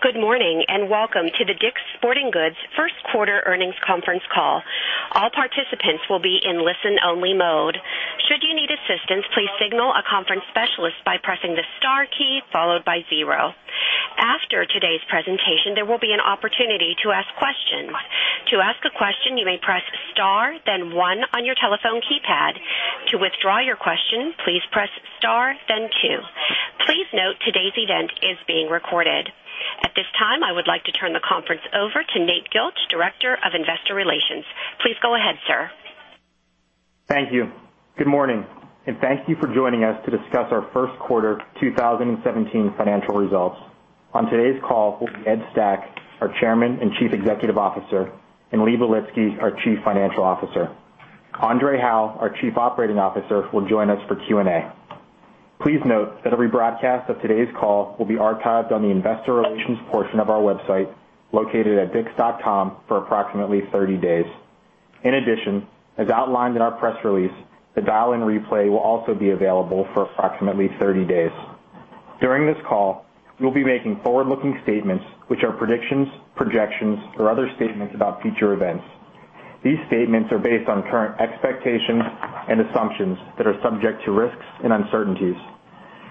Good morning, and welcome to the DICK'S Sporting Goods first quarter earnings conference call. All participants will be in listen-only mode. Should you need assistance, please signal a conference specialist by pressing the star key followed by zero. After today's presentation, there will be an opportunity to ask questions. To ask a question, you may press star, then one on your telephone keypad. To withdraw your question, please press star, then two. Please note, today's event is being recorded. At this time, I would like to turn the conference over to Nate Gilch, Director of Investor Relations. Please go ahead, sir. Thank you. Good morning, and thank you for joining us to discuss our first quarter 2017 financial results. On today's call will be Edward Stack, our Chairman and Chief Executive Officer, and Lee Belitsky, our Chief Financial Officer. André Hawaux, our Chief Operating Officer, will join us for Q&A. Please note that a rebroadcast of today's call will be archived on the investor relations portion of our website, located at dicks.com, for approximately 30 days. In addition, as outlined in our press release, the dial-in replay will also be available for approximately 30 days. During this call, we'll be making forward-looking statements, which are predictions, projections, or other statements about future events. These statements are based on current expectations and assumptions that are subject to risks and uncertainties.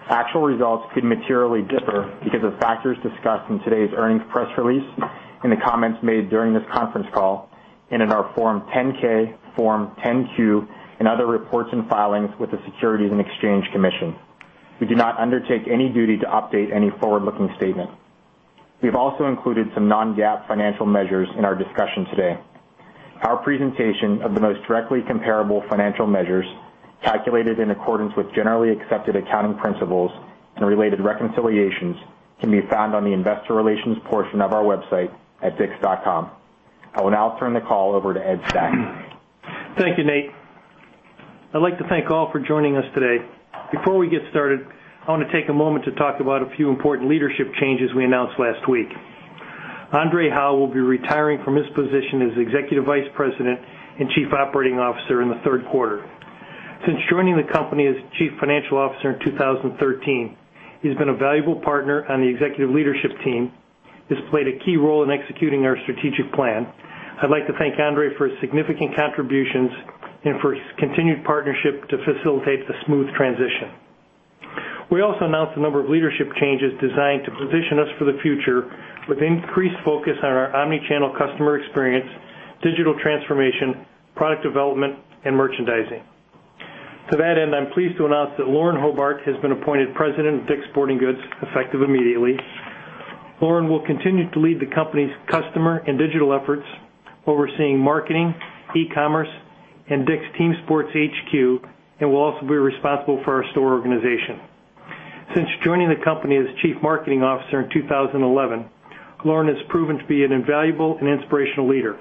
Actual results could materially differ because of factors discussed in today's earnings press release, in the comments made during this conference call, and in our Form 10-K, Form 10-Q, and other reports and filings with the Securities and Exchange Commission. We do not undertake any duty to update any forward-looking statement. We've also included some non-GAAP financial measures in our discussion today. Our presentation of the most directly comparable financial measures, calculated in accordance with generally accepted accounting principles and related reconciliations, can be found on the investor relations portion of our website at dicks.com. I will now turn the call over to Edward Stack. Thank you, Nate. I'd like to thank all for joining us today. Before we get started, I want to take a moment to talk about a few important leadership changes we announced last week. André Hawaux will be retiring from his position as Executive Vice President and Chief Operating Officer in the third quarter. Since joining the company as Chief Financial Officer in 2013, he's been a valuable partner on the executive leadership team, has played a key role in executing our strategic plan. I'd like to thank André for his significant contributions and for his continued partnership to facilitate the smooth transition. We also announced a number of leadership changes designed to position us for the future with increased focus on our omni-channel customer experience, digital transformation, product development, and merchandising. To that end, I am pleased to announce that Lauren Hobart has been appointed President of DICK'S Sporting Goods, effective immediately. Lauren will continue to lead the company's customer and digital efforts, overseeing marketing, e-commerce, and DICK'S Team Sports HQ, and will also be responsible for our store organization. Since joining the company as Chief Marketing Officer in 2011, Lauren has proven to be an invaluable and inspirational leader.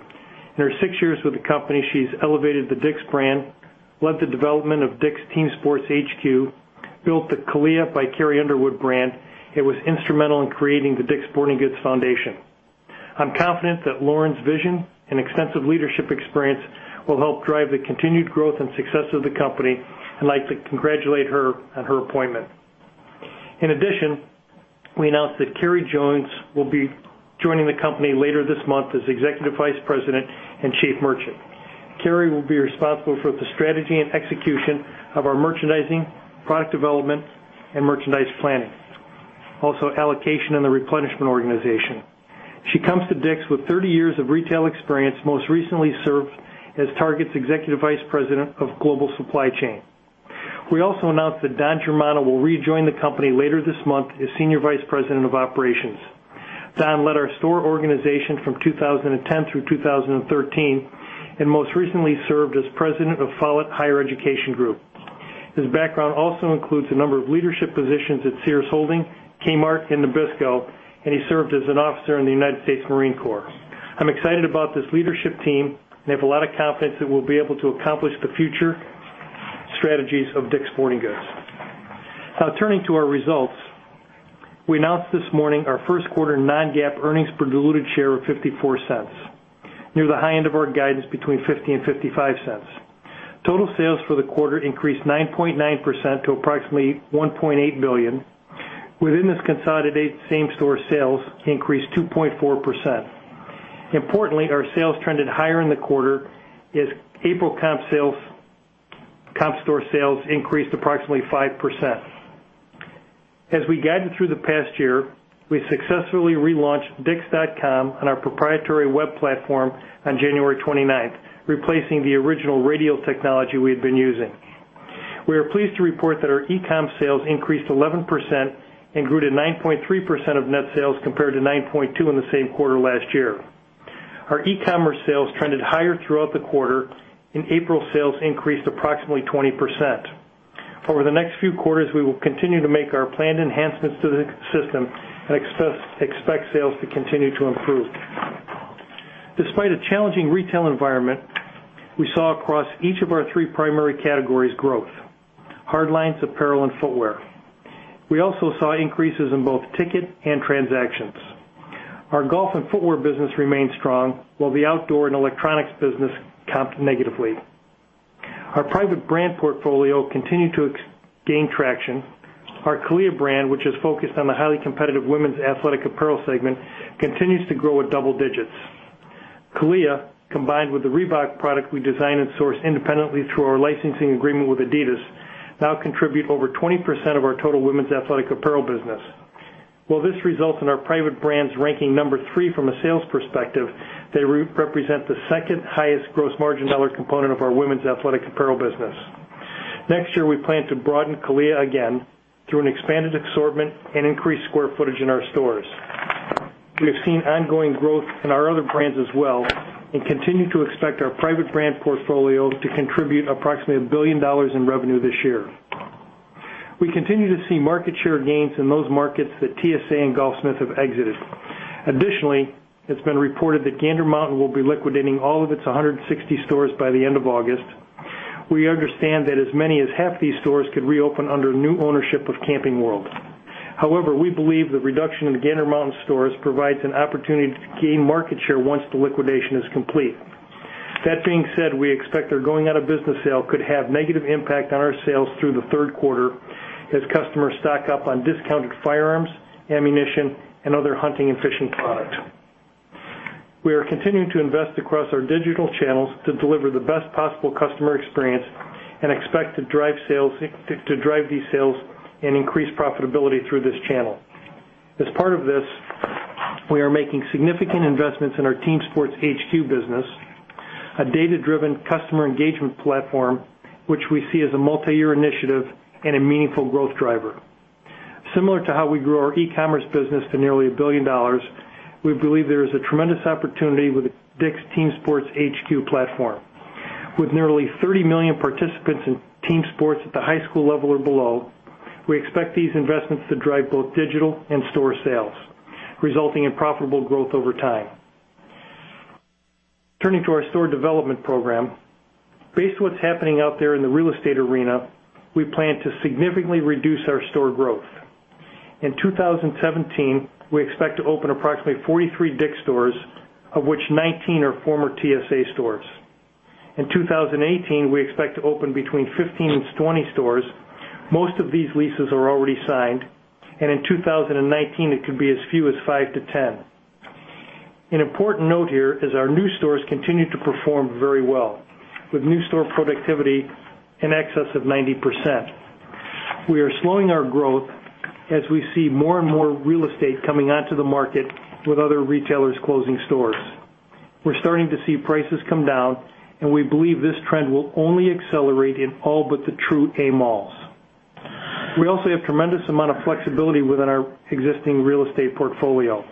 In her six years with the company, she has elevated the DICK'S brand, led the development of DICK'S Team Sports HQ, built the CALIA by Carrie Underwood brand. Was instrumental in creating The DICK'S Sporting Goods Foundation. I am confident that Lauren's vision and extensive leadership experience will help drive the continued growth and success of the company. I would like to congratulate her on her appointment. In addition, we announced that Keri Jones will be joining the company later this month as Executive Vice President and Chief Merchant. Keri will be responsible for the strategy and execution of our merchandising, product development, and merchandise planning, also allocation and the replenishment organization. She comes to DICK'S with 30 years of retail experience, most recently served as Target's Executive Vice President of Global Supply Chain. We also announced that Don Germano will rejoin the company later this month as Senior Vice President of Operations. Don led our store organization from 2010 through 2013, and most recently served as President of Follett Higher Education Group. His background also includes a number of leadership positions at Sears Holdings, Kmart, and Nabisco, and he served as an officer in the United States Marine Corps. I am excited about this leadership team and have a lot of confidence that we will be able to accomplish the future strategies of DICK'S Sporting Goods. Now turning to our results. We announced this morning our first quarter non-GAAP earnings per diluted share of $0.54, near the high end of our guidance between $0.50 and $0.55. Total sales for the quarter increased 9.9% to approximately $1.8 billion. Within this consolidated same-store sales increased 2.4%. Importantly, our sales trended higher in the quarter as April comp store sales increased approximately 5%. As we guided through the past year, we successfully relaunched dicks.com on our proprietary web platform on January 29th, replacing the original Radial technology we had been using. We are pleased to report that our e-com sales increased 11% and grew to 9.3% of net sales compared to 9.2% in the same quarter last year. Our e-commerce sales trended higher throughout the quarter, and April sales increased approximately 20%. Over the next few quarters, we will continue to make our planned enhancements to the system and expect sales to continue to improve. Despite a challenging retail environment, we saw across each of our three primary categories growth, hard lines, apparel, and footwear. We also saw increases in both ticket and transactions. Our golf and footwear business remained strong, while the outdoor and electronics business comped negatively. Our private brand portfolio continued to gain traction. Our CALIA brand, which is focused on the highly competitive women's athletic apparel segment, continues to grow at double digits. CALIA, combined with the Reebok product we design and source independently through our licensing agreement with adidas, now contribute over 20% of our total women's athletic apparel business. While this results in our private brands ranking number 3 from a sales perspective, they represent the second highest gross margin dollar component of our women's athletic apparel business. Next year, we plan to broaden CALIA again through an expanded assortment and increased square footage in our stores. We have seen ongoing growth in our other brands as well and continue to expect our private brand portfolio to contribute approximately $1 billion in revenue this year. We continue to see market share gains in those markets that TSA and Golfsmith have exited. Additionally, it's been reported that Gander Mountain will be liquidating all of its 160 stores by the end of August. We understand that as many as half these stores could reopen under new ownership of Camping World. We believe the reduction in the Gander Mountain stores provides an opportunity to gain market share once the liquidation is complete. That being said, we expect their going-out-of-business sale could have a negative impact on our sales through the third quarter as customers stock up on discounted firearms, ammunition, and other hunting and fishing product. We are continuing to invest across our digital channels to deliver the best possible customer experience and expect to drive these sales and increase profitability through this channel. As part of this, we are making significant investments in our Team Sports HQ business, a data-driven customer engagement platform, which we see as a multi-year initiative and a meaningful growth driver. Similar to how we grew our e-commerce business to nearly $1 billion, we believe there is a tremendous opportunity with DICK'S Team Sports HQ platform. With nearly 30 million participants in team sports at the high school level or below, we expect these investments to drive both digital and store sales, resulting in profitable growth over time. Turning to our store development program. Based on what's happening out there in the real estate arena, we plan to significantly reduce our store growth. In 2017, we expect to open approximately 43 DICK'S stores, of which 19 are former TSA stores. In 2018, we expect to open between 15 and 20 stores. Most of these leases are already signed, and in 2019 it could be as few as 5-10. An important note here is our new stores continue to perform very well, with new store productivity in excess of 90%. We are slowing our growth as we see more and more real estate coming onto the market with other retailers closing stores. We're starting to see prices come down, and we believe this trend will only accelerate in all but the true A malls. We also have tremendous amount of flexibility within our existing real estate portfolio.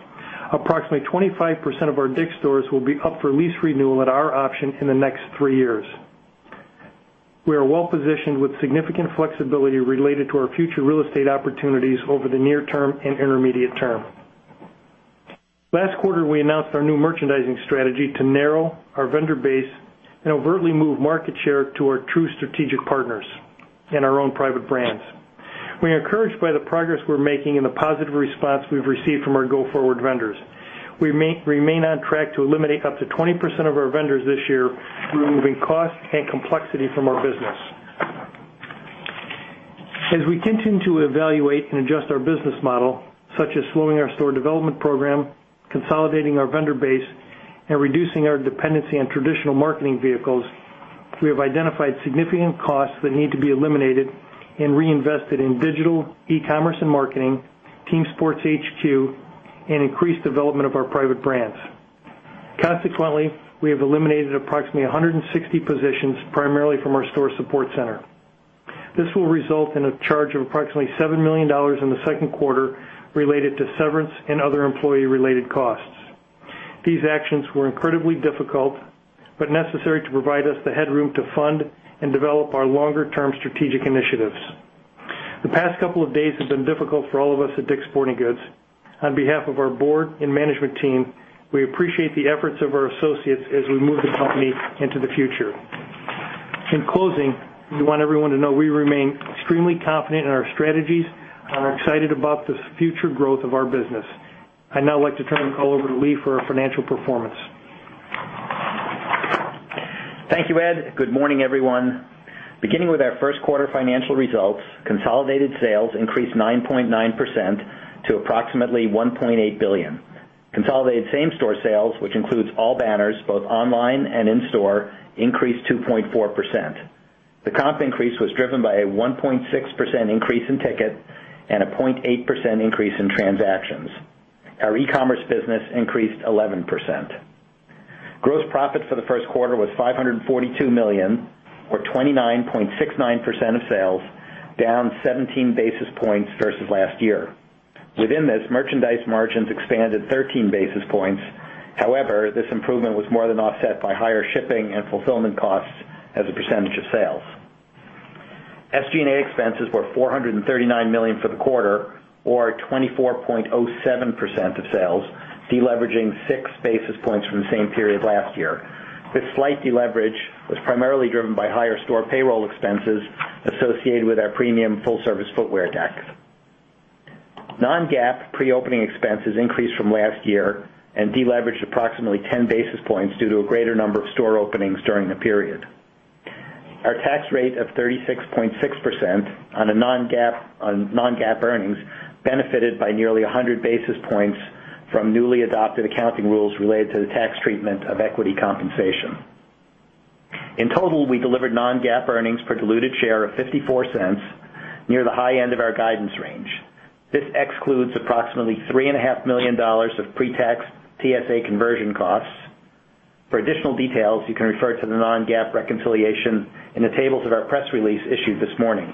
Approximately 25% of our DICK'S stores will be up for lease renewal at our option in the next three years. We are well positioned with significant flexibility related to our future real estate opportunities over the near term and intermediate term. Last quarter, we announced our new merchandising strategy to narrow our vendor base and overtly move market share to our true strategic partners and our own private brands. We are encouraged by the progress we're making and the positive response we've received from our go-forward vendors. We remain on track to eliminate up to 20% of our vendors this year, removing cost and complexity from our business. As we continue to evaluate and adjust our business model, such as slowing our store development program, consolidating our vendor base, and reducing our dependency on traditional marketing vehicles, we have identified significant costs that need to be eliminated and reinvested in digital, e-commerce and marketing, Team Sports HQ, and increased development of our private brands. Consequently, we have eliminated approximately 160 positions, primarily from our store support center. This will result in a charge of approximately $7 million in the second quarter related to severance and other employee-related costs. These actions were incredibly difficult, but necessary to provide us the headroom to fund and develop our longer-term strategic initiatives. The past couple of days have been difficult for all of us at DICK'S Sporting Goods. On behalf of our board and management team, we appreciate the efforts of our associates as we move the company into the future. In closing, we want everyone to know we remain extremely confident in our strategies and are excited about the future growth of our business. I'd now like to turn the call over to Lee for our financial performance. Thank you, Ed. Good morning, everyone. Beginning with our first quarter financial results, consolidated sales increased 9.9% to approximately $1.8 billion. Consolidated same-store sales, which includes all banners, both online and in-store, increased 2.4%. The comp increase was driven by a 1.6% increase in ticket and a 0.8% increase in transactions. Our e-commerce business increased 11%. Gross profit for the first quarter was $542 million, or 29.69% of sales, down 17 basis points versus last year. Within this, merchandise margins expanded 13 basis points. However, this improvement was more than offset by higher shipping and fulfillment costs as a percentage of sales. SG&A expenses were $439 million for the quarter, or 24.07% of sales, deleveraging six basis points from the same period last year. This slight deleverage was primarily driven by higher store payroll expenses associated with our premium full-service footwear desk. Non-GAAP pre-opening expenses increased from last year and deleveraged approximately 10 basis points due to a greater number of store openings during the period. Our tax rate of 36.6% on non-GAAP earnings benefited by nearly 100 basis points from newly adopted accounting rules related to the tax treatment of equity compensation. In total, we delivered non-GAAP earnings per diluted share of $0.54, near the high end of our guidance range. This excludes approximately $3.5 million of pre-tax TSA conversion costs. For additional details, you can refer to the non-GAAP reconciliation in the tables of our press release issued this morning.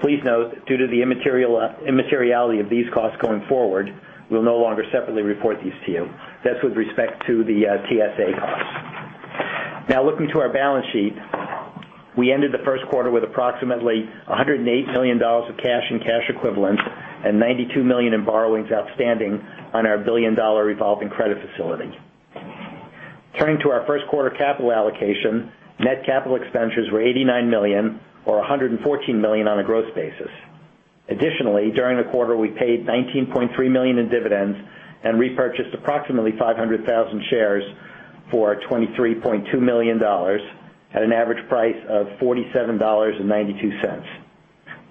Please note, due to the immateriality of these costs going forward, we'll no longer separately report these to you. That's with respect to the TSA costs. Now looking to our balance sheet. We ended the first quarter with approximately $108 million of cash and cash equivalents and $92 million in borrowings outstanding on our billion-dollar revolving credit facility. Turning to our first quarter capital allocation, net capital expenditures were $89 million or $114 million on a gross basis. Additionally, during the quarter, we paid $19.3 million in dividends and repurchased approximately 500,000 shares for $23.2 million at an average price of $47.92.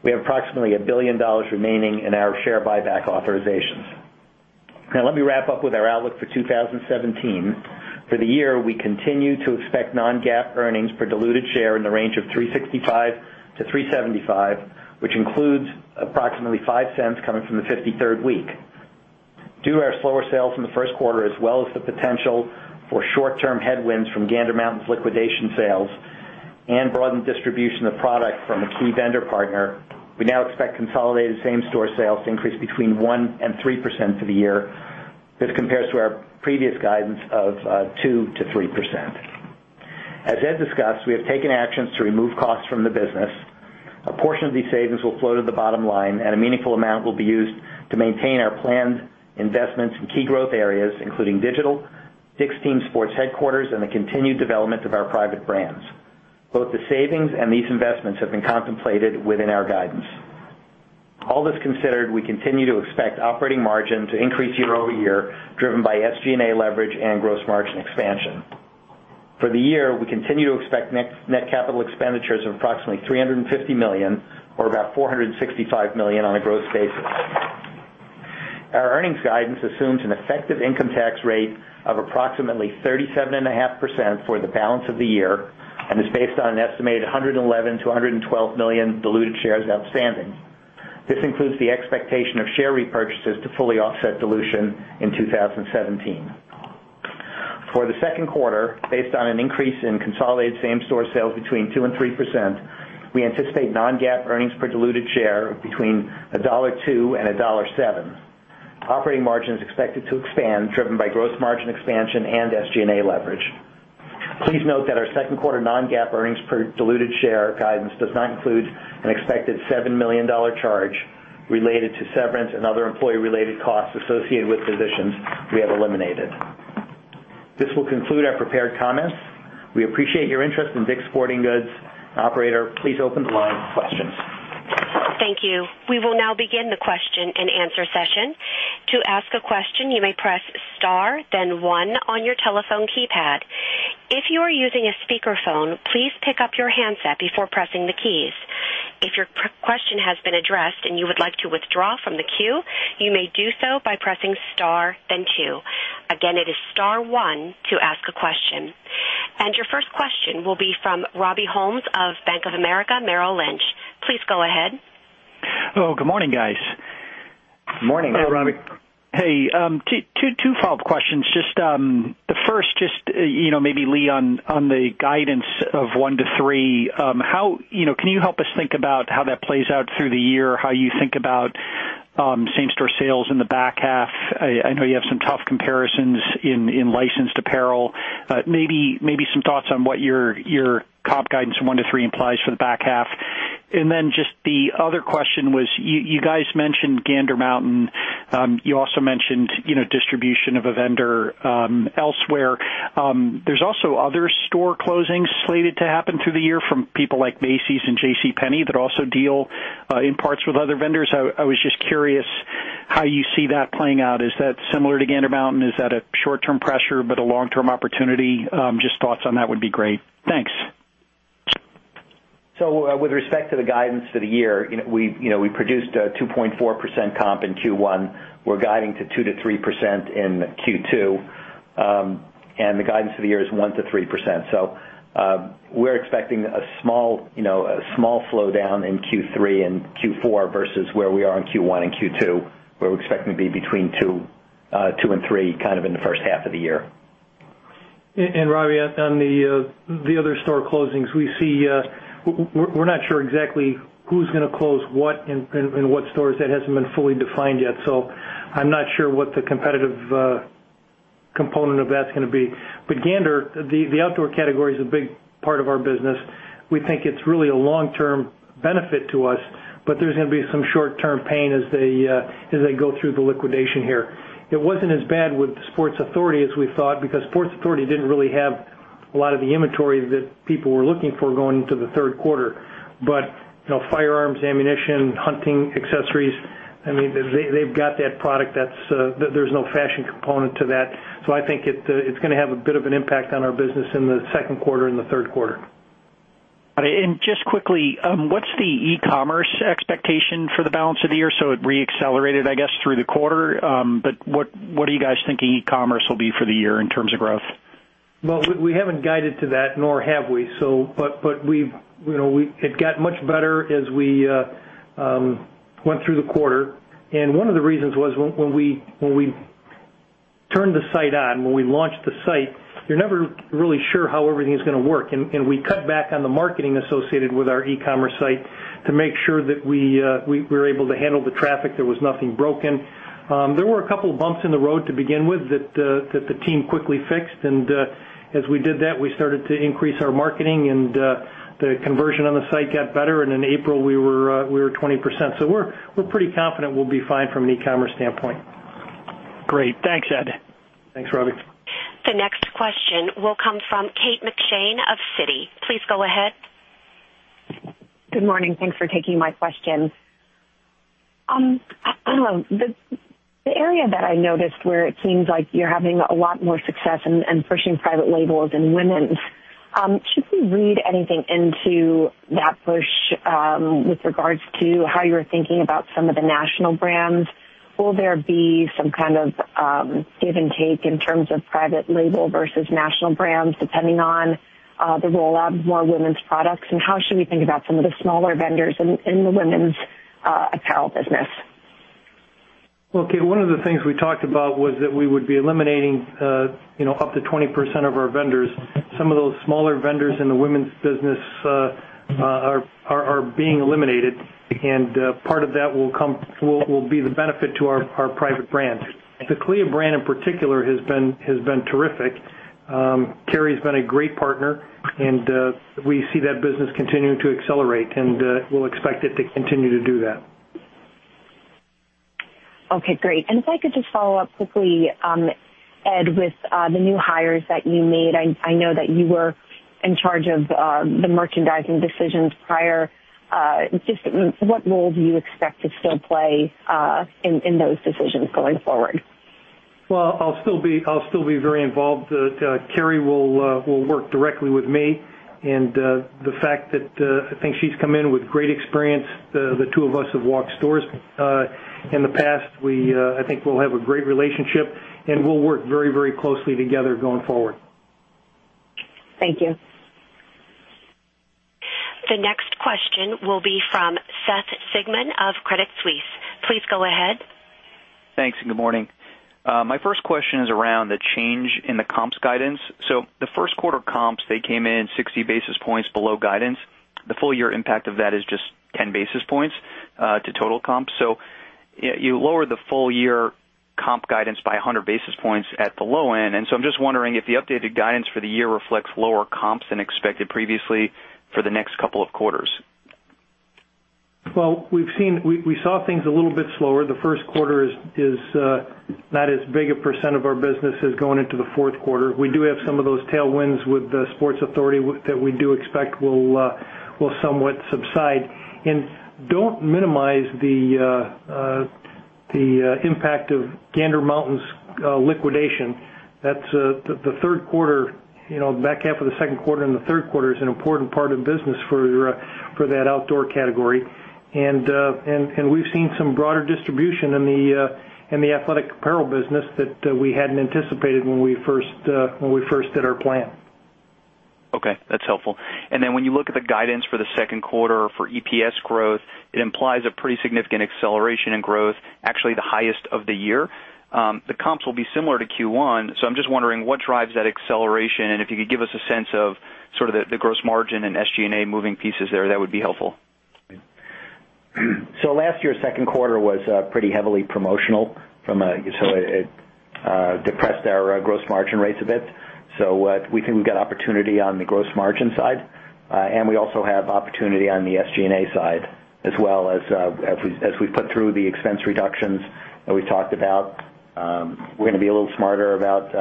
We have approximately a billion dollars remaining in our share buyback authorizations. Let me wrap up with our outlook for 2017. For the year, we continue to expect non-GAAP earnings per diluted share in the range of $3.65 to $3.75, which includes approximately $0.05 coming from the 53rd week. Due to our slower sales in the first quarter, as well as the potential for short-term headwinds from Gander Mountain's liquidation sales and broadened distribution of product from a key vendor partner, we now expect consolidated same-store sales to increase between 1% and 3% for the year. This compares to our previous guidance of 2%-3%. As Ed discussed, we have taken actions to remove costs from the business. A portion of these savings will flow to the bottom line, and a meaningful amount will be used to maintain our planned investments in key growth areas, including digital, DICK'S Team Sports Headquarters, and the continued development of our private brands. Both the savings and these investments have been contemplated within our guidance. All this considered, we continue to expect operating margin to increase year-over-year, driven by SG&A leverage and gross margin expansion. For the year, we continue to expect net capital expenditures of approximately $350 million or about $465 million on a gross basis. Our earnings guidance assumes an effective income tax rate of approximately 37.5% for the balance of the year and is based on an estimated 111 million-112 million diluted shares outstanding. This includes the expectation of share repurchases to fully offset dilution in 2017. For the second quarter, based on an increase in consolidated same-store sales between 2% and 3%, we anticipate non-GAAP earnings per diluted share of between $1.02 and $1.07. Operating margin is expected to expand, driven by gross margin expansion and SG&A leverage. Please note that our second quarter non-GAAP earnings per diluted share guidance does not include an expected $7 million charge related to severance and other employee-related costs associated with positions we have eliminated. This will conclude our prepared comments. We appreciate your interest in DICK'S Sporting Goods. Operator, please open the line for questions. Thank you. We will now begin the question and answer session. To ask a question, you may press star then one on your telephone keypad. If you are using a speakerphone, please pick up your handset before pressing the keys. If your question has been addressed and you would like to withdraw from the queue, you may do so by pressing star then two. Again, it is star one to ask a question. Your first question will be from Robert Ohmes of Bank of America Merrill Lynch. Please go ahead. Hello. Good morning, guys. Morning. Good morning. Morning, Robbie. Hey, two follow-up questions. The first, maybe Lee, on the guidance of 1%-3%. Can you help us think about how that plays out through the year? How you think about same-store sales in the back half? I know you have some tough comparisons in licensed apparel. Maybe some thoughts on what your comp guidance of 1%-3% implies for the back half. Just the other question was, you guys mentioned Gander Mountain. You also mentioned distribution of a vendor elsewhere. There's also other store closings slated to happen through the year from people like Macy's and JCPenney that also deal in parts with other vendors. I was just curious how you see that playing out. Is that similar to Gander Mountain? Is that a short-term pressure but a long-term opportunity? Just thoughts on that would be great. Thanks. With respect to the guidance for the year, we produced a 2.4% comp in Q1. We're guiding to 2%-3% in Q2. The guidance for the year is 1%-3%. We're expecting a small slowdown in Q3 and Q4 versus where we are in Q1 and Q2, where we're expecting to be between 2% and 3% kind of in the first half of the year. Robbie, on the other store closings, we're not sure exactly who's going to close what and what stores. That hasn't been fully defined yet. I'm not sure what the competitive component of that's going to be. Gander, the outdoor category, is a big part of our business. We think it's really a long-term benefit to us, but there's going to be some short-term pain as they go through the liquidation here. It wasn't as bad with Sports Authority as we thought because Sports Authority didn't really have a lot of the inventory that people were looking for going into the third quarter. Firearms, ammunition, hunting accessories, they've got that product. There's no fashion component to that. I think it's going to have a bit of an impact on our business in the second quarter and the third quarter. Just quickly, what's the e-commerce expectation for the balance of the year? It re-accelerated, I guess, through the quarter. What are you guys thinking e-commerce will be for the year in terms of growth? Well, we haven't guided to that, nor have we. It got much better as we went through the quarter. One of the reasons was when we turned the site on, when we launched the site, you're never really sure how everything's going to work. We cut back on the marketing associated with our e-commerce site to make sure that we were able to handle the traffic, there was nothing broken. There were a couple bumps in the road to begin with that the team quickly fixed, and as we did that, we started to increase our marketing and the conversion on the site got better, and in April, we were 20%. We're pretty confident we'll be fine from an e-commerce standpoint. Great. Thanks, Ed. Thanks, Robbie. The next question will come from Kate McShane of Citi. Please go ahead. Good morning. Thanks for taking my question. The area that I noticed where it seems like you're having a lot more success in pushing private labels in women's. Should we read anything into that push with regards to how you're thinking about some of the national brands? Will there be some kind of give and take in terms of private label versus national brands, depending on the rollout of more women's products? How should we think about some of the smaller vendors in the women's apparel business? Well, Kate, one of the things we talked about was that we would be eliminating up to 20% of our vendors. Some of those smaller vendors in the women's business are being eliminated, and part of that will be the benefit to our private brands. The CALIA brand in particular has been terrific. Carrie's been a great partner, and we see that business continuing to accelerate, and we'll expect it to continue to do that. Okay, great. If I could just follow up quickly, Ed, with the new hires that you made. I know that you were in charge of the merchandising decisions prior. Just what role do you expect to still play in those decisions going forward? Well, I'll still be very involved. Carrie will work directly with me, and the fact that I think she's come in with great experience. The two of us have walked stores. In the past, I think we'll have a great relationship, and we'll work very closely together going forward. Thank you. The next question will be from Seth Sigman of Credit Suisse. Please go ahead. Thanks. Good morning. My first question is around the change in the comps guidance. The first quarter comps, they came in 60 basis points below guidance. The full-year impact of that is just 10 basis points to total comps. You lowered the full-year comp guidance by 100 basis points at the low end. I'm just wondering if the updated guidance for the year reflects lower comps than expected previously for the next couple of quarters. Well, we saw things a little bit slower. The first quarter is not as big a percent of our business as going into the fourth quarter. We do have some of those tailwinds with the Sports Authority that we do expect will somewhat subside. Don't minimize the impact of Gander Mountain's liquidation. The third quarter, back half of the second quarter and the third quarter is an important part of the business for that outdoor category. We've seen some broader distribution in the athletic apparel business that we hadn't anticipated when we first did our plan. Okay. That's helpful. When you look at the guidance for the second quarter for EPS growth, it implies a pretty significant acceleration in growth, actually the highest of the year. The comps will be similar to Q1, I'm just wondering what drives that acceleration, and if you could give us a sense of sort of the gross margin and SG&A moving pieces there, that would be helpful. Last year's second quarter was pretty heavily promotional. It depressed our gross margin rates a bit. We think we've got opportunity on the gross margin side. We also have opportunity on the SG&A side as well as we put through the expense reductions that we talked about. We're going to be a little smarter about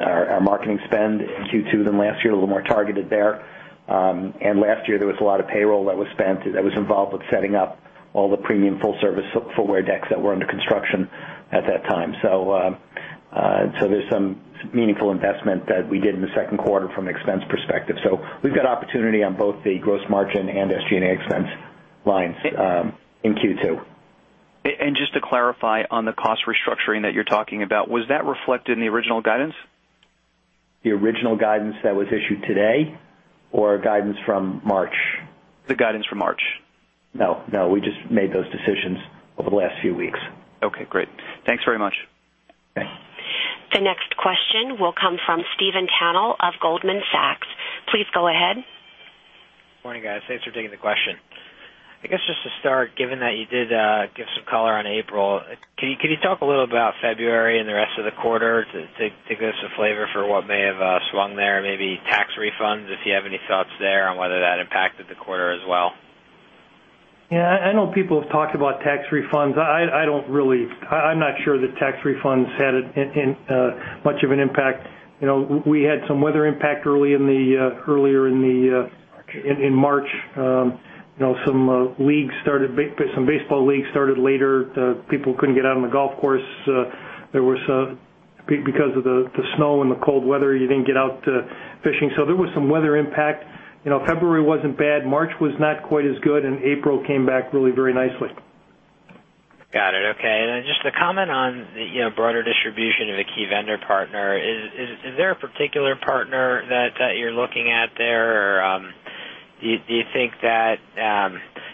our marketing spend in Q2 than last year, a little more targeted there. Last year, there was a lot of payroll that was spent that was involved with setting up all the premium full-service footwear decks that were under construction at that time. There's some meaningful investment that we did in the second quarter from an expense perspective. We've got opportunity on both the gross margin and SG&A expense lines in Q2. Just to clarify on the cost restructuring that you're talking about, was that reflected in the original guidance? The original guidance that was issued today or guidance from March? The guidance from March. No. We just made those decisions over the last few weeks. Okay, great. Thanks very much. Okay. The next question will come from Stephen Tanal of Goldman Sachs. Please go ahead. Morning, guys. Thanks for taking the question. I guess just to start, given that you did give some color on April, can you talk a little about February and the rest of the quarter to give us a flavor for what may have swung there, maybe tax refunds, if you have any thoughts there on whether that impacted the quarter as well? Yeah, I know people have talked about tax refunds. I'm not sure that tax refunds had much of an impact. We had some weather impact earlier in March. Some baseball leagues started later. People couldn't get out on the golf course. Because of the snow and the cold weather, you didn't get out to fishing. There was some weather impact. February wasn't bad. March was not quite as good, and April came back really very nicely. Got it. Okay. Just a comment on the broader distribution of a key vendor partner. Is there a particular partner that you're looking at there? Do you think that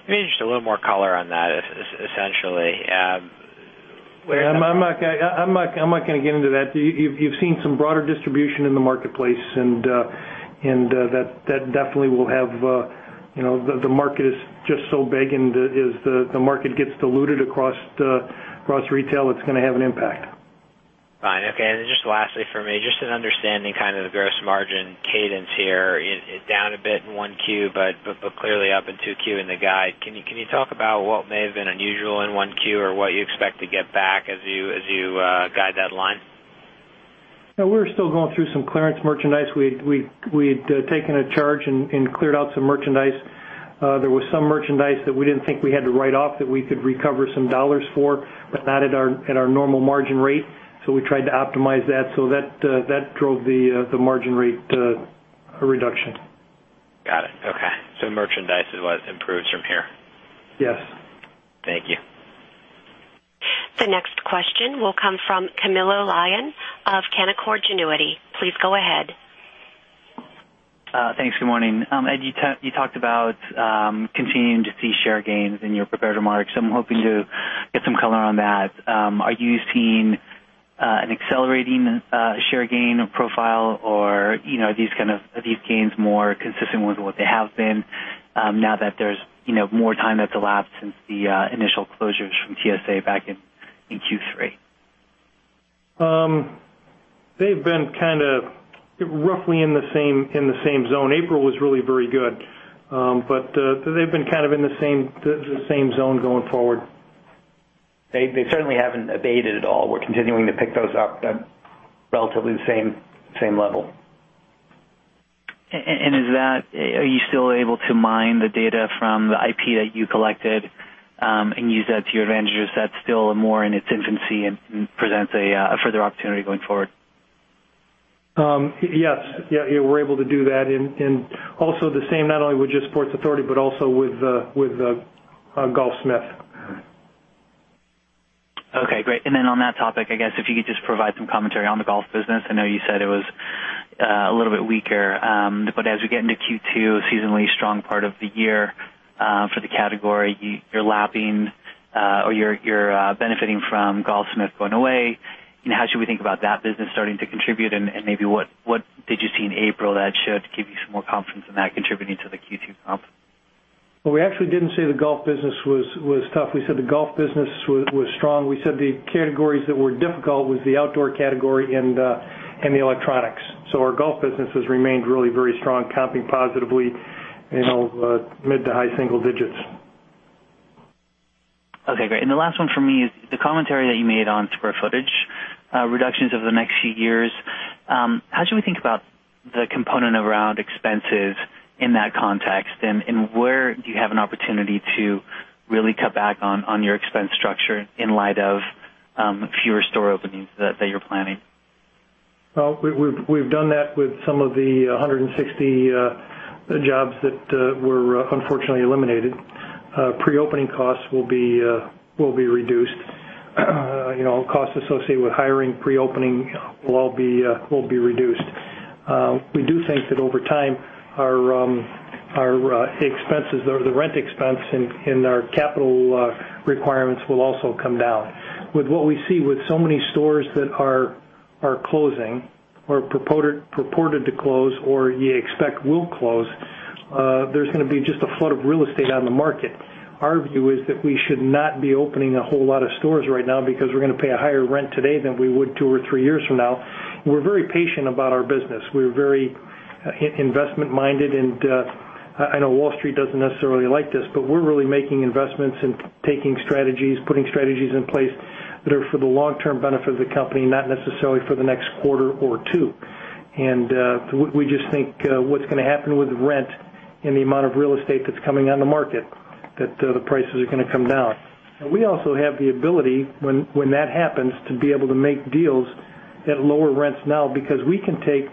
maybe just a little more color on that, essentially. I'm not going to get into that. You've seen some broader distribution in the marketplace, and the market is just so big, and as the market gets diluted across retail, it's going to have an impact. Fine. Okay. Just lastly from me, just in understanding the gross margin cadence here. It's down a bit in 1Q, but clearly up in 2Q in the guide. Can you talk about what may have been unusual in 1Q or what you expect to get back as you guide that line? No, we're still going through some clearance merchandise. We'd taken a charge and cleared out some merchandise. There was some merchandise that we didn't think we had to write off that we could recover some dollars for, but not at our normal margin rate. We tried to optimize that. That drove the margin rate reduction. Got it. Okay. Merchandise improves from here. Yes. Thank you. The next question will come from Camilo Lyon of Canaccord Genuity. Please go ahead. Thanks. Good morning. Ed, you talked about continuing to see share gains in your prepared remarks. I'm hoping to get some color on that. Are you seeing an accelerating share gain profile or are these gains more consistent with what they have been now that there's more time that's elapsed since the initial closures from TSA back in Q3? They've been roughly in the same zone. April was really very good. They've been in the same zone going forward. They certainly haven't abated at all. We're continuing to pick those up at relatively the same level. Are you still able to mine the data from the IP that you collected and use that to your advantage, or is that still more in its infancy and presents a further opportunity going forward? Yes. We're able to do that. Also the same, not only with just Sports Authority, but also with Golfsmith. Okay, great. On that topic, I guess if you could just provide some commentary on the golf business. I know you said it was a little bit weaker. As we get into Q2, seasonally strong part of the year for the category, you're benefiting from Golfsmith going away. How should we think about that business starting to contribute and maybe what did you see in April that should give you some more confidence in that contributing to the Q2 comp? Well, we actually didn't say the golf business was tough. We said the golf business was strong. We said the categories that were difficult was the outdoor category and the electronics. Our golf business has remained really very strong, comping positively mid to high single digits. Okay, great. The last one for me is the commentary that you made on square footage reductions over the next few years. How should we think about the component around expenses in that context, and where do you have an opportunity to really cut back on your expense structure in light of fewer store openings that you're planning? Well, we've done that with some of the 160 jobs that were unfortunately eliminated. Pre-opening costs will be reduced. Costs associated with hiring, pre-opening will be reduced. We do think that over time, the rent expense in our capital requirements will also come down. With what we see with so many stores that are closing or purported to close or you expect will close, there's going to be just a flood of real estate on the market. Our view is that we should not be opening a whole lot of stores right now because we're going to pay a higher rent today than we would two or three years from now. We're very patient about our business. We're very investment-minded. I know Wall Street doesn't necessarily like this, but we're really making investments and putting strategies in place that are for the long-term benefit of the company, not necessarily for the next quarter or two. We just think what's going to happen with rent and the amount of real estate that's coming on the market, that the prices are going to come down. We also have the ability, when that happens, to be able to make deals at lower rents now, because we can take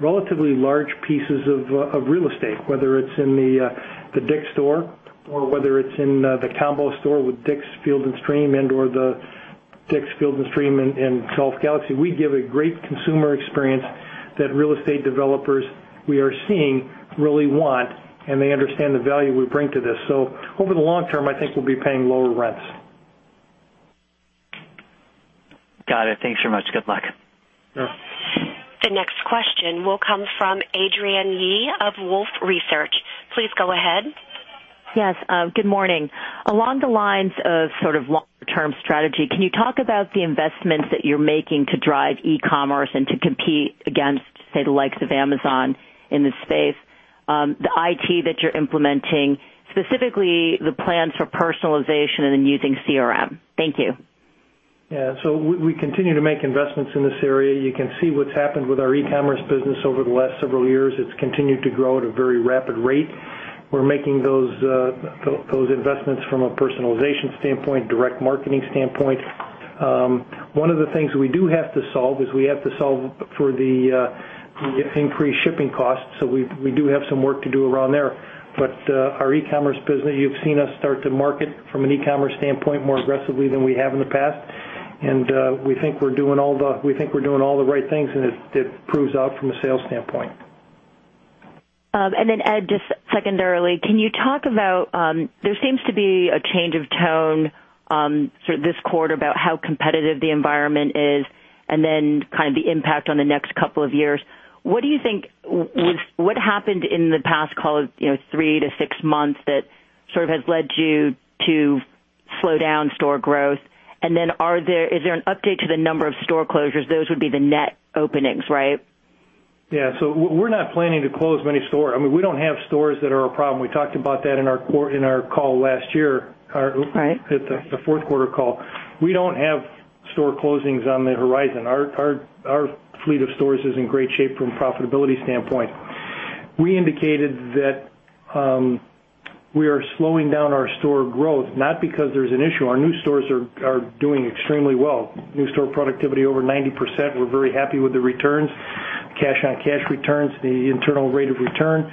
relatively large pieces of real estate, whether it's in the DICK'S store or whether it's in the combo store with DICK'S Field & Stream and/or the DICK'S Field & Stream and Golf Galaxy. We give a great consumer experience that real estate developers we are seeing really want, and they understand the value we bring to this. Over the long term, I think we'll be paying lower rents. Got it. Thanks so much. Good luck. Sure. The next question will come from Adrienne Yih of Wolfe Research. Please go ahead. Yes. Good morning. Along the lines of sort of long-term strategy, can you talk about the investments that you're making to drive e-commerce and to compete against, say, the likes of Amazon in the space, the IT that you're implementing, specifically the plans for personalization and then using CRM? Thank you. Yeah. We continue to make investments in this area. You can see what's happened with our e-commerce business over the last several years. It's continued to grow at a very rapid rate. We're making those investments from a personalization standpoint, direct marketing standpoint. One of the things we do have to solve is we have to solve for the increased shipping costs. We do have some work to do around there. Our e-commerce business, you've seen us start to market from an e-commerce standpoint more aggressively than we have in the past. We think we're doing all the right things, and it proves out from a sales standpoint. Ed, just secondarily, there seems to be a change of tone this quarter about how competitive the environment is and then the impact on the next couple of years. What do you think happened in the past, call it, three to six months that has led you to slow down store growth? Is there an update to the number of store closures? Those would be the net openings, right? Yeah. We're not planning to close many stores. We don't have stores that are a problem. We talked about that in our call last year- Right at the fourth quarter call. We don't have store closings on the horizon. Our fleet of stores is in great shape from profitability standpoint. We indicated that we are slowing down our store growth, not because there's an issue. Our new stores are doing extremely well. New store productivity over 90%. We're very happy with the returns, cash on cash returns, the internal rate of return.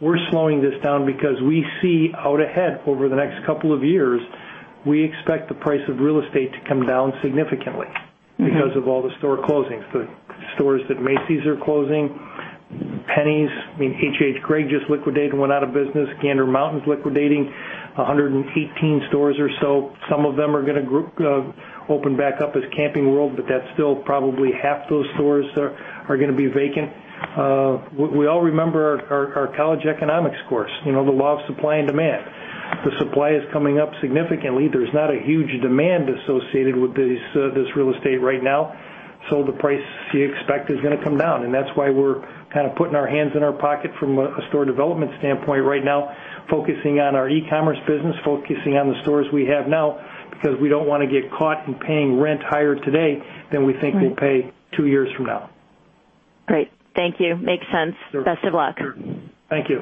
We're slowing this down because we see out ahead over the next couple of years, we expect the price of real estate to come down significantly because of all the store closings. The stores that Macy's are closing, JCPenney, H. H. Gregg just liquidated and went out of business. Gander Mountain's liquidating 118 stores or so. Some of them are going to open back up as Camping World, but that's still probably half those stores are going to be vacant. We all remember our college economics course, the law of supply and demand. The supply is coming up significantly. There's not a huge demand associated with this real estate right now. The price you expect is going to come down, and that's why we're putting our hands in our pocket from a store development standpoint right now, focusing on our e-commerce business, focusing on the stores we have now, because we don't want to get caught in paying rent higher today than we think we'll pay two years from now. Great. Thank you. Makes sense. Best of luck. Thank you.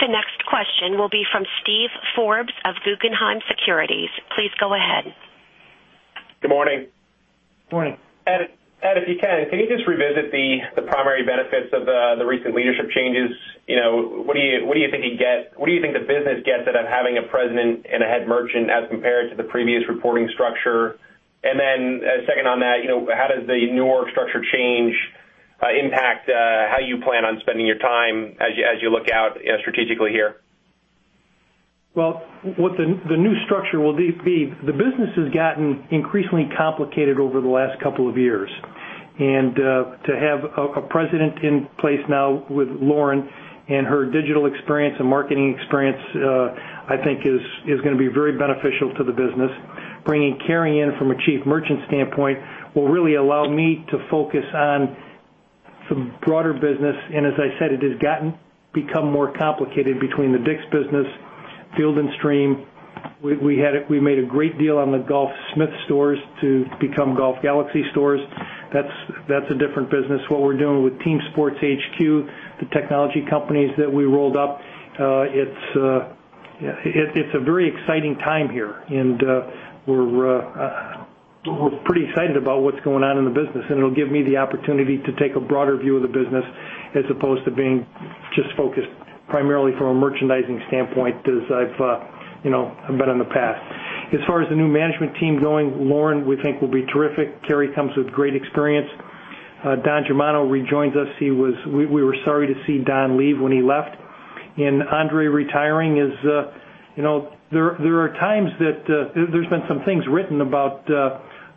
The next question will be from Steven Forbes of Guggenheim Securities. Please go ahead. Good morning. Morning. Ed, if you can you just revisit the primary benefits of the recent leadership changes? What do you think the business gets out of having a president and a head merchant as compared to the previous reporting structure? Then second on that, how does the newer structure change impact how you plan on spending your time as you look out strategically here? Well, what the new structure will be, the business has gotten increasingly complicated over the last couple of years. To have a president in place now with Lauren and her digital experience and marketing experience, I think is going to be very beneficial to the business. Bringing Keri in from a chief merchant standpoint will really allow me to focus on some broader business. As I said, it has become more complicated between the DICK'S business, Field & Stream. We made a great deal on the Golfsmith stores to become Golf Galaxy stores. That's a different business. What we're doing with Team Sports HQ, the technology companies that we rolled up. It's a very exciting time here, we're pretty excited about what's going on in the business, it'll give me the opportunity to take a broader view of the business as opposed to being just focused primarily from a merchandising standpoint as I've been in the past. As far as the new management team going, Lauren, we think will be terrific. Keri comes with great experience. Don Germano rejoins us. We were sorry to see Don leave when he left André retiring. There's been some things written about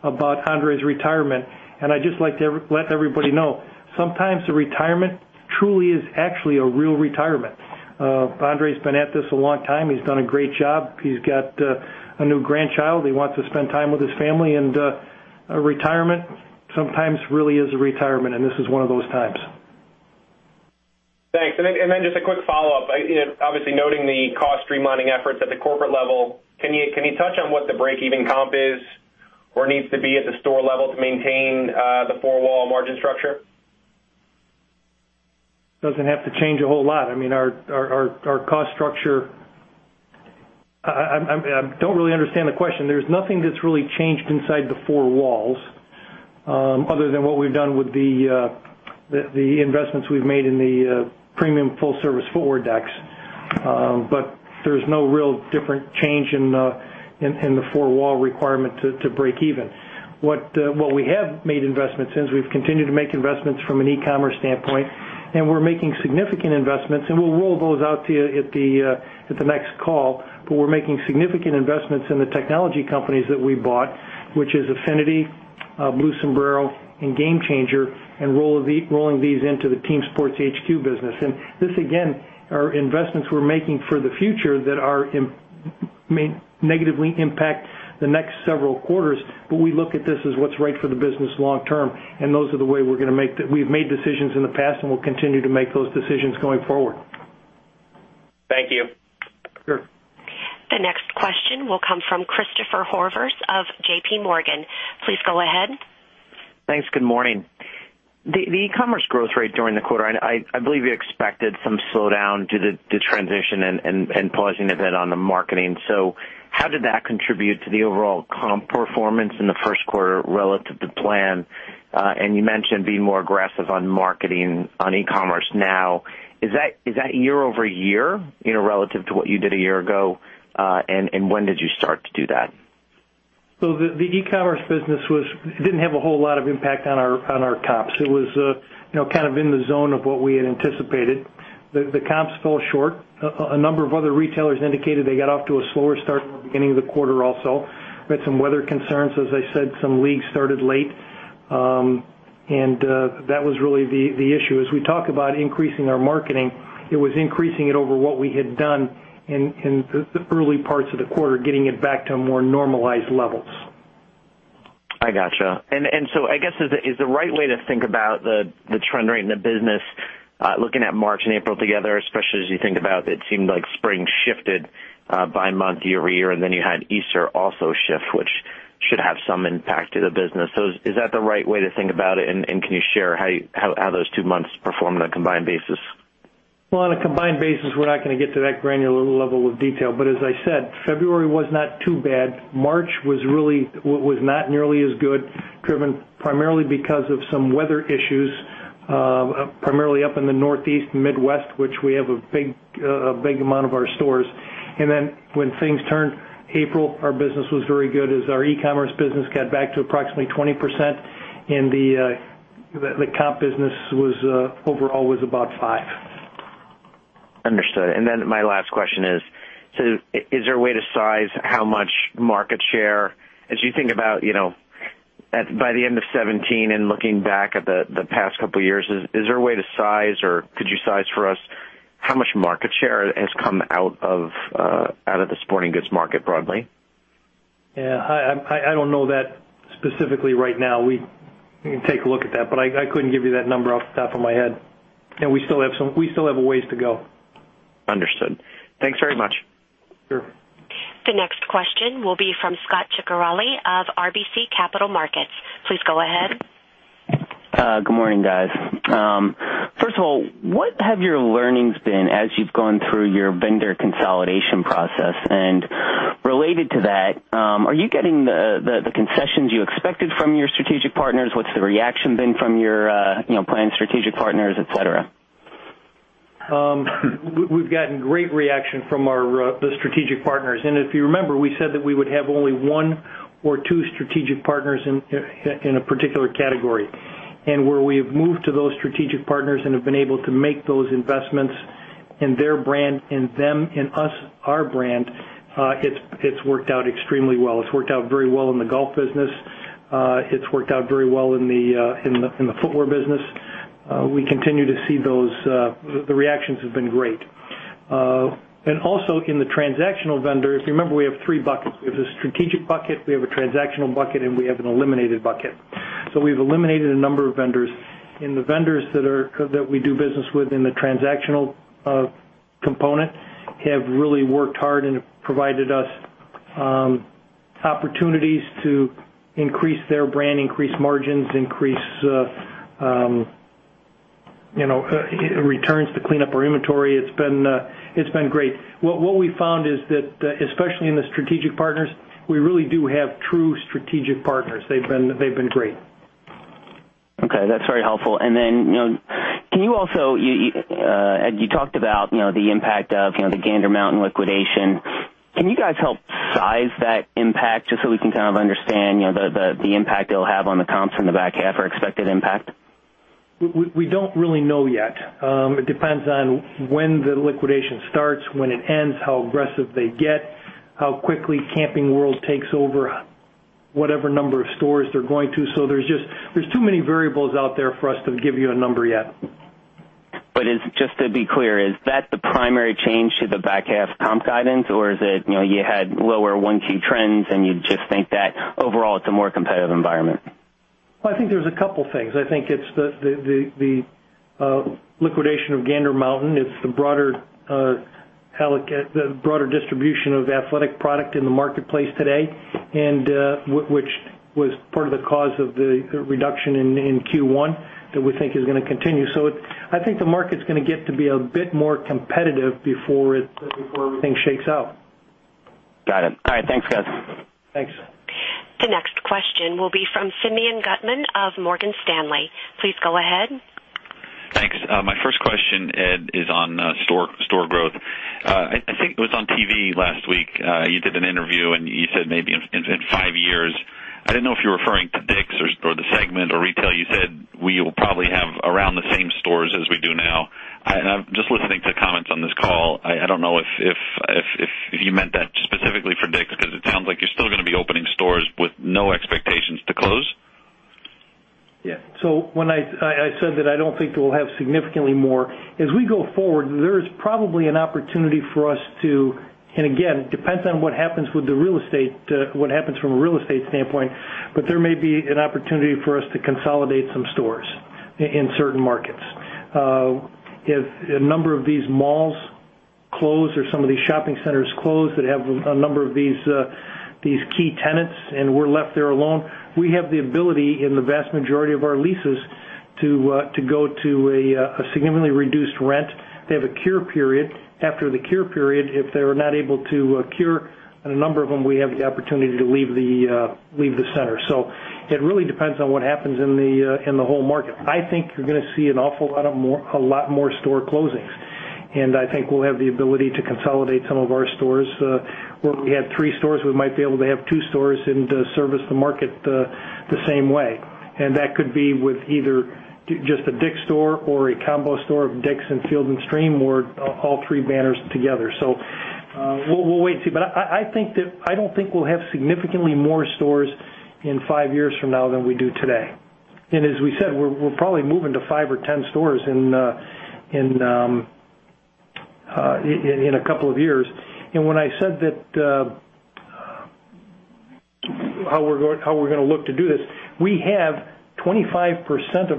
André's retirement, I'd just like to let everybody know, sometimes a retirement truly is actually a real retirement. André's been at this a long time. He's done a great job. He's got a new grandchild. He wants to spend time with his family, a retirement sometimes really is a retirement, this is one of those times. Thanks. Then just a quick follow-up. Obviously noting the cost streamlining efforts at the corporate level, can you touch on what the break-even comp is or needs to be at the store level to maintain the four-wall margin structure? Doesn't have to change a whole lot. I don't really understand the question. There's nothing that's really changed inside the four walls other than what we've done with the investments we've made in the premium full service DICK'S. There's no real different change in the four-wall requirement to break even. What we have made investments in, is we've continued to make investments from an e-commerce standpoint, and we're making significant investments, and we'll roll those out to you at the next call. We're making significant investments in the technology companies that we bought, which is Affinity, Blue Sombrero, and GameChanger, and rolling these into the Team Sports HQ business. This, again, are investments we're making for the future that may negatively impact the next several quarters. We look at this as what's right for the business long term, and those are the way we've made decisions in the past and will continue to make those decisions going forward. Thank you. Sure. The next question will come from Christopher Horvers of JPMorgan. Please go ahead. Thanks. Good morning. The e-commerce growth rate during the quarter, I believe you expected some slowdown due to the transition and pausing a bit on the marketing. How did that contribute to the overall comp performance in the first quarter relative to plan? You mentioned being more aggressive on marketing on e-commerce now. Is that year-over-year, relative to what you did a year ago? When did you start to do that? The e-commerce business didn't have a whole lot of impact on our comps. It was kind of in the zone of what we had anticipated. The comps fell short. A number of other retailers indicated they got off to a slower start at the beginning of the quarter also. We had some weather concerns, as I said, some leagues started late. That was really the issue. As we talk about increasing our marketing, it was increasing it over what we had done in the early parts of the quarter, getting it back to more normalized levels. I got you. I guess, is the right way to think about the trend rate in the business, looking at March and April together, especially as you think about, it seemed like spring shifted by a month year-over-year, you had Easter also shift, which should have some impact to the business. Is that the right way to think about it? Can you share how those two months performed on a combined basis? Well, on a combined basis, we're not going to get to that granular level of detail. As I said, February was not too bad. March was not nearly as good, driven primarily because of some weather issues, primarily up in the Northeast and Midwest, which we have a big amount of our stores. When things turned, April, our business was very good as our e-commerce business got back to approximately 20%, and the comp business overall was about five. Understood. My last question is there a way to size how much market share, as you think about by the end of 2017 and looking back at the past couple of years, is there a way to size or could you size for us how much market share has come out of the sporting goods market broadly? Yeah. I don't know that specifically right now. We can take a look at that, but I couldn't give you that number off the top of my head. We still have a ways to go. Understood. Thanks very much. Sure. The next question will be from Scot Ciccarelli of RBC Capital Markets. Please go ahead. Good morning, guys. First of all, what have your learnings been as you've gone through your vendor consolidation process? Related to that, are you getting the concessions you expected from your strategic partners? What's the reaction been from your planned strategic partners, et cetera? We've gotten great reaction from the strategic partners. If you remember, we said that we would have only one or two strategic partners in a particular category. Where we have moved to those strategic partners and have been able to make those investments in their brand, in them, in us, our brand, it's worked out extremely well. It's worked out very well in the golf business. It's worked out very well in the footwear business. We continue to see the reactions have been great. Also in the transactional vendors, remember, we have three buckets. We have a strategic bucket, we have a transactional bucket, and we have an eliminated bucket. We've eliminated a number of vendors. The vendors that we do business with in the transactional component have really worked hard and have provided us opportunities to increase their brand, increase margins, increase returns to clean up our inventory. It's been great. What we found is that, especially in the strategic partners, we really do have true strategic partners. They've been great. Okay, that's very helpful. Then, You talked about the impact of the Gander Mountain liquidation. Can you guys help size that impact just so we can kind of understand the impact it'll have on the comps in the back half or expected impact? We don't really know yet. It depends on when the liquidation starts, when it ends, how aggressive they get, how quickly Camping World takes over whatever number of stores they're going to. There's too many variables out there for us to give you a number yet. Just to be clear, is that the primary change to the back half comp guidance, or is it, you had lower 1Q trends, and you just think that overall it's a more competitive environment? Well, I think there's a couple things. I think it's the liquidation of Gander Mountain. It's the broader distribution of athletic product in the marketplace today, and which was part of the cause of the reduction in Q1 that we think is going to continue. I think the market's going to get to be a bit more competitive before everything shakes out. Got it. All right. Thanks, guys. Thanks. The next question will be from Simeon Gutman of Morgan Stanley. Please go ahead. Thanks. My first question, Ed, is on store growth. I think it was on TV last week. You did an interview, you said maybe in five years. I didn't know if you were referring to DICK'S or the segment or retail. You said we will probably have around the same stores as we do now. Just listening to comments on this call, I don't know if you meant that specifically for DICK'S because it sounds like you're still going to be opening stores with no expectations to close. Yeah. When I said that I don't think we'll have significantly more, as we go forward, there is probably an opportunity for us to, and again, it depends on what happens from a real estate standpoint, but there may be an opportunity for us to consolidate some stores in certain markets. If a number of these malls close or some of these shopping centers close that have a number of these key tenants and we're left there alone, we have the ability in the vast majority of our leases to go to a significantly reduced rent. They have a cure period. After the cure period, if they're not able to cure, on a number of them, we have the opportunity to leave the center. It really depends on what happens in the whole market. I think you're going to see an awful lot more store closings, I think we'll have the ability to consolidate some of our stores. Where we had three stores, we might be able to have two stores and service the market the same way. That could be with either just a DICK'S store or a combo store of DICK'S and Field & Stream, or all three banners together. We'll wait and see. I don't think we'll have significantly more stores in five years from now than we do today. As we said, we're probably moving to five or 10 stores in a couple of years. When I said that how we're going to look to do this, we have roughly 25%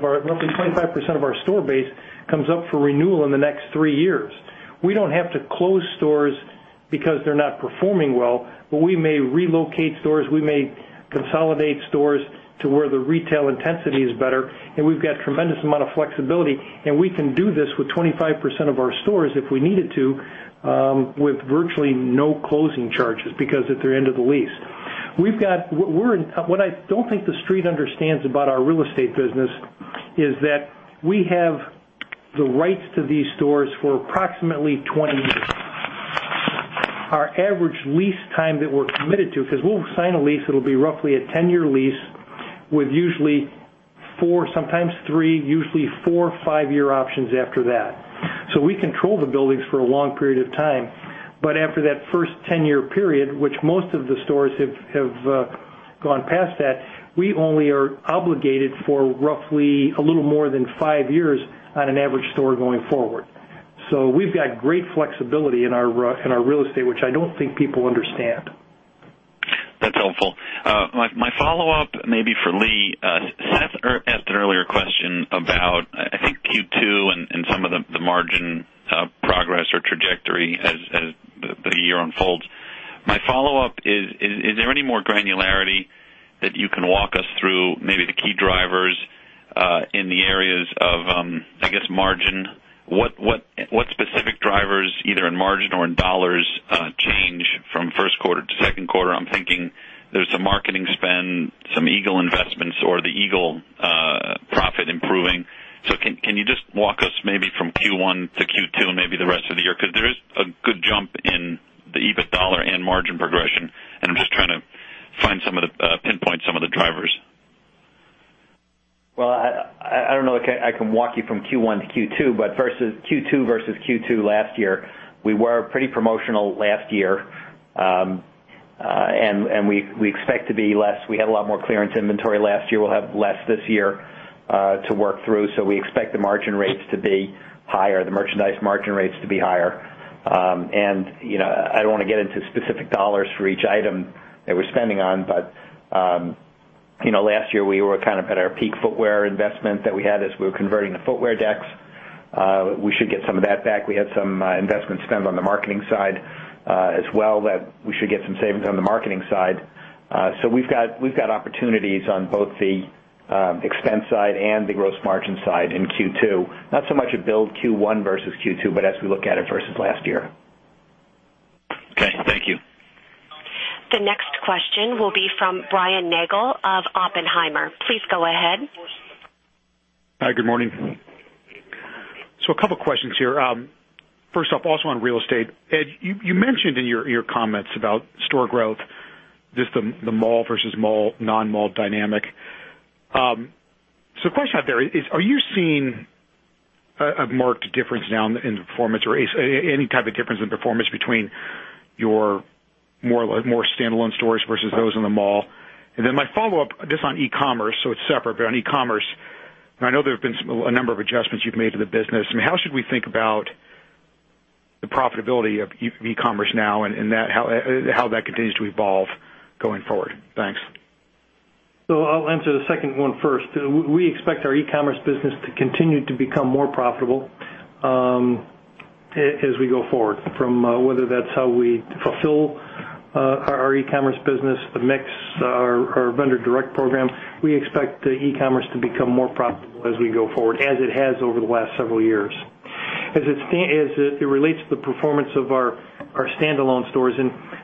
of our store base comes up for renewal in the next three years. We don't have to close stores because they're not performing well. We may relocate stores, we may consolidate stores to where the retail intensity is better, and we've got tremendous amount of flexibility, and we can do this with 25% of our stores if we needed to, with virtually no closing charges, because at their end of the lease. What I don't think the Street understands about our real estate business is that we have the rights to these stores for approximately 20 years. Our average lease time that we're committed to, because we'll sign a lease, it'll be roughly a 10-year lease with usually four, sometimes three, usually four or five-year options after that. We control the buildings for a long period of time. After that first 10-year period, which most of the stores have gone past that, we only are obligated for roughly a little more than five years on an average store going forward. We've got great flexibility in our real estate, which I don't think people understand. That's helpful. My follow-up may be for Lee. Seth asked an earlier question about, I think, Q2 and some of the margin progress or trajectory as the year unfolds. My follow-up is there any more granularity that you can walk us through maybe the key drivers in the areas of margin? What specific drivers, either in margin or in dollars, change from first quarter to second quarter? I'm thinking there's some marketing spend, some Eagle investments or the Eagle profit improving. Can you just walk us maybe from Q1 to Q2 and maybe the rest of the year? There is a good jump in the EBIT dollar and margin progression, and I'm just trying to pinpoint some of the drivers. Well, I don't know if I can walk you from Q1 to Q2. Q2 versus Q2 last year, we were pretty promotional last year. We expect to be less. We had a lot more clearance inventory last year. We'll have less this year to work through, so we expect the margin rates to be higher, the merchandise margin rates to be higher. I don't want to get into specific dollars for each item that we're spending on, but last year, we were at our peak footwear investment that we had as we were converting the footwear decks. We should get some of that back. We had some investment spend on the marketing side as well that we should get some savings on the marketing side. We've got opportunities on both the expense side and the gross margin side in Q2, not so much a build Q1 versus Q2, but as we look at it versus last year. Okay, thank you. The next question will be from Brian Nagel of Oppenheimer. Please go ahead. Hi, good morning. A couple of questions here. First off, also on real estate. Ed, you mentioned in your comments about store growth, just the mall versus non-mall dynamic. Question out there is, are you seeing a marked difference now in the performance or any type of difference in performance between your more standalone stores versus those in the mall? My follow-up, just on e-commerce, so it's separate, but on e-commerce, and I know there have been a number of adjustments you've made to the business. How should we think about the profitability of e-commerce now and how that continues to evolve going forward? Thanks. I'll answer the second one first. We expect our e-commerce business to continue to become more profitable as we go forward. From whether that's how we fulfill our e-commerce business, the mix, our vendor direct program, we expect the e-commerce to become more profitable as we go forward, as it has over the last several years. As it relates to the performance of our standalone stores,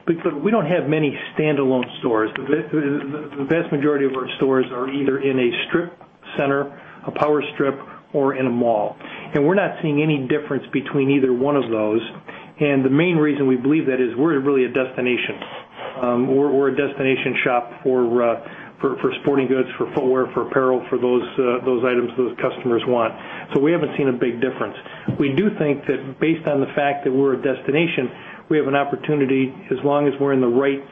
because we don't have many standalone stores. The vast majority of our stores are either in a strip center, a power strip, or in a mall. We're not seeing any difference between either one of those. The main reason we believe that is we're really a destination. We're a destination shop for sporting goods, for footwear, for apparel, for those items those customers want. We haven't seen a big difference. We do think that based on the fact that we're a destination, we have an opportunity, as long as we're in the right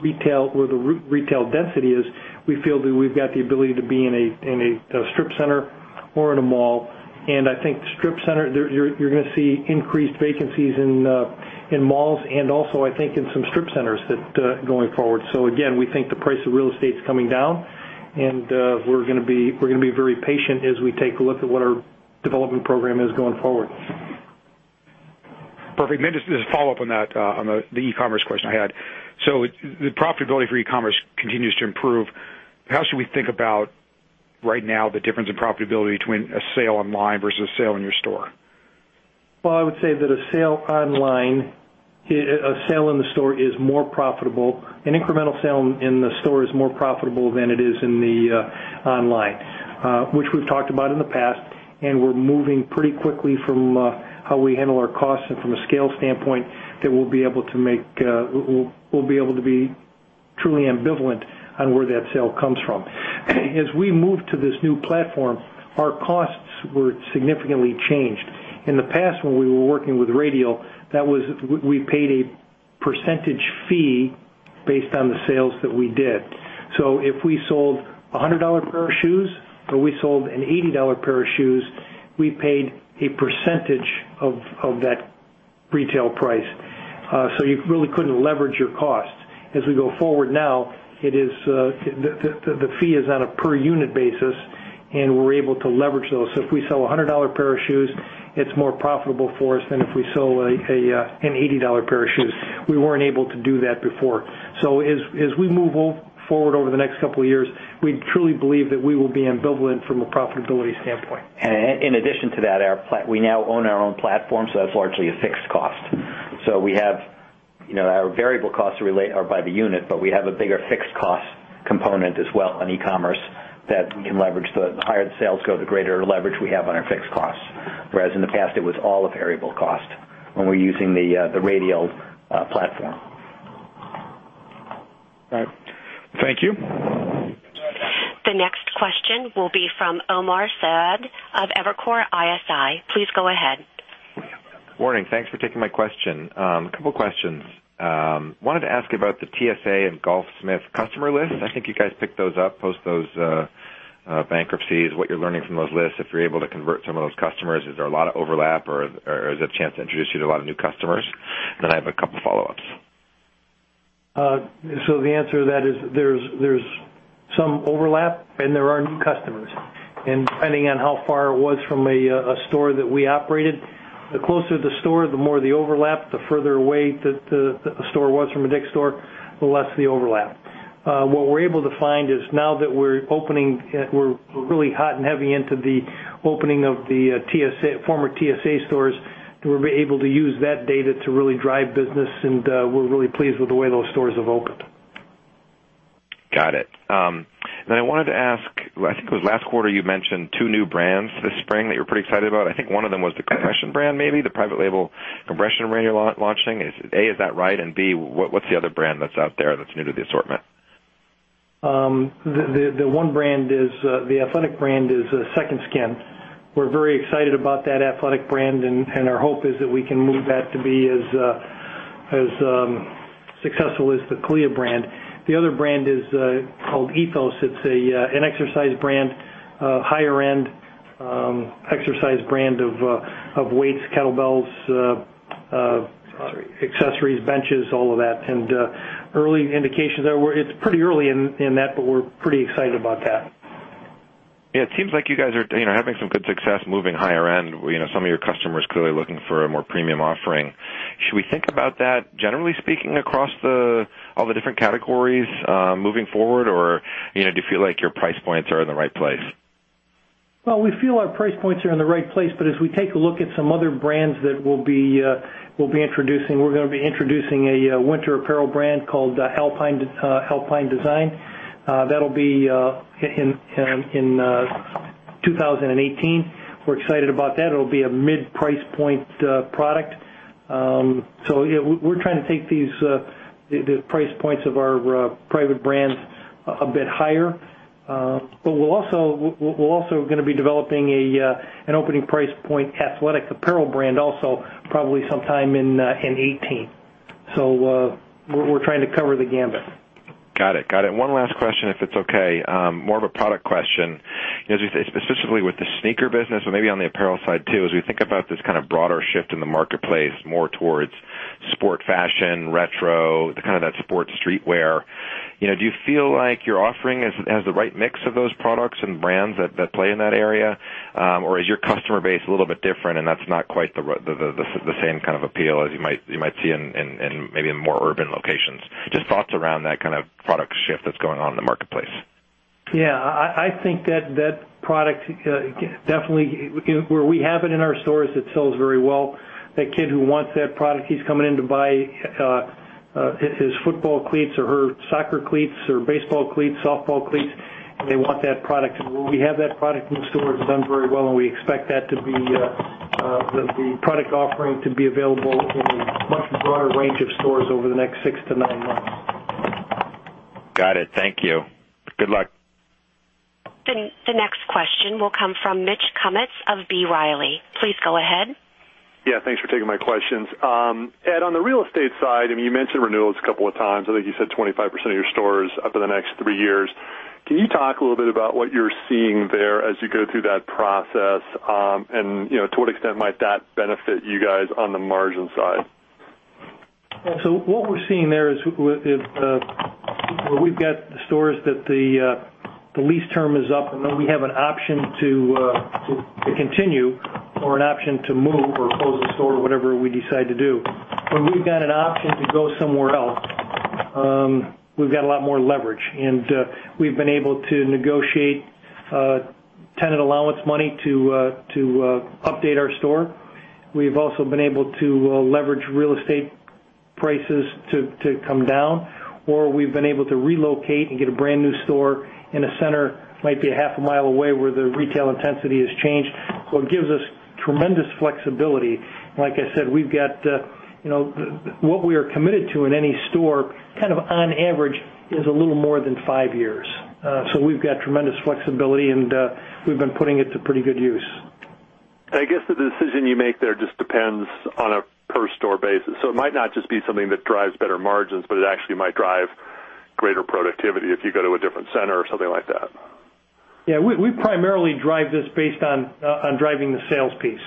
retail where the retail density is, we feel that we've got the ability to be in a strip center or in a mall. I think strip center, you're going to see increased vacancies in malls and also I think in some strip centers going forward. Again, we think the price of real estate is coming down, and we're going to be very patient as we take a look at what our development program is going forward. Perfect. Maybe just as a follow-up on that, on the e-commerce question I had. The profitability for e-commerce continues to improve. How should we think about, right now, the difference in profitability between a sale online versus a sale in your store? I would say that a sale in the store is more profitable. An incremental sale in the store is more profitable than it is in the online, which we've talked about in the past, and we're moving pretty quickly from how we handle our costs and from a scale standpoint, that we'll be able to be truly ambivalent on where that sale comes from. As we moved to this new platform, our costs were significantly changed. In the past, when we were working with Radial, we paid a percentage fee based on the sales that we did. If we sold a $100 pair of shoes or we sold an $80 pair of shoes, we paid a percentage of that retail price. You really couldn't leverage your costs. As we go forward now, the fee is on a per unit basis, and we're able to leverage those. If we sell a $100 pair of shoes, it's more profitable for us than if we sold an $80 pair of shoes. We weren't able to do that before. As we move forward over the next couple of years, we truly believe that we will be ambivalent from a profitability standpoint. In addition to that, we now own our own platform. That's largely a fixed cost. Our variable costs are by the unit, but we have a bigger fixed cost component as well on e-commerce that we can leverage. The higher the sales go, the greater leverage we have on our fixed costs. Whereas in the past it was all a variable cost when we were using the Radial platform. All right. Thank you. The next question will be from Omar Saad of Evercore ISI. Please go ahead. Morning. Thanks for taking my question. Couple questions. Wanted to ask about the TSA and Golfsmith customer list. I think you guys picked those up post those bankruptcies, what you're learning from those lists, if you're able to convert some of those customers. Is there a lot of overlap or is it a chance to introduce you to a lot of new customers? I have a couple follow-ups. The answer to that is there's some overlap and there are new customers. Depending on how far it was from a store that we operated, the closer the store, the more the overlap, the further away the store was from a DICK'S store, the less the overlap. What we're able to find is now that we're opening, we're really hot and heavy into the opening of the former TSA stores, we'll be able to use that data to really drive business and we're really pleased with the way those stores have opened. Got it. I wanted to ask, I think it was last quarter you mentioned two new brands this spring that you were pretty excited about. I think one of them was the compression brand, maybe, the private label compression brand you're launching. A, is that right? B, what's the other brand that's out there that's new to the assortment? The athletic brand is Second Skin. We're very excited about that athletic brand, our hope is that we can move that to be as successful as the CALIA brand. The other brand is called Ethos. It's an exercise brand, higher end exercise brand of weights, kettlebells, accessories, benches, all of that. Early indications are, it's pretty early in that, but we're pretty excited about that. It seems like you guys are having some good success moving higher end. Some of your customers clearly looking for a more premium offering. Should we think about that, generally speaking, across all the different categories moving forward? Or do you feel like your price points are in the right place? We feel our price points are in the right place, as we take a look at some other brands that we'll be introducing, we're going to be introducing a winter apparel brand called Alpine Design. That'll be in 2018. We're excited about that. It'll be a mid-price point product. We're trying to take these price points of our private brands a bit higher. We're also going to be developing an opening price point athletic apparel brand also probably sometime in 2018. We're trying to cover the gamut. Got it. One last question, if it's okay. More of a product question. Specifically with the sneaker business or maybe on the apparel side too, as we think about this kind of broader shift in the marketplace, more towards sport fashion, retro, kind of that sports streetwear. Do you feel like your offering has the right mix of those products and brands that play in that area? Or is your customer base a little bit different and that's not quite the same kind of appeal as you might see in maybe in more urban locations? Just thoughts around that kind of product shift that's going on in the marketplace. I think that product definitely, where we have it in our stores, it sells very well. That kid who wants that product, he's coming in to buy his football cleats or her soccer cleats or baseball cleats, softball cleats, and they want that product. Where we have that product in stores, it's done very well and we expect the product offering to be available in a much broader range of stores over the next six to nine months. Got it. Thank you. Good luck. The next question will come from Mitch Kummetz of B. Riley. Please go ahead. Thanks for taking my questions. Ed, on the real estate side, you mentioned renewals a couple of times. I think you said 25% of your stores up in the next three years. Can you talk a little bit about what you're seeing there as you go through that process? To what extent might that benefit you guys on the margin side? What we're seeing there is where we've got the stores that the lease term is up, then we have an option to continue or an option to move or close the store, whatever we decide to do. When we've got an option to go somewhere else, we've got a lot more leverage, we've been able to negotiate tenant allowance money to update our store. We've also been able to leverage real estate prices to come down, we've been able to relocate and get a brand-new store in a center, might be a half a mile away, where the retail intensity has changed. It gives us tremendous flexibility. Like I said, what we are committed to in any store, on average, is a little more than five years. We've got tremendous flexibility, we've been putting it to pretty good use. The decision you make there just depends on a per store basis. It might not just be something that drives better margins, but it actually might drive greater productivity if you go to a different center or something like that. Yeah. We primarily drive this based on driving the sales piece.